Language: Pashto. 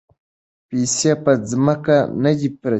پیسې په ځمکه نه دي پرتې.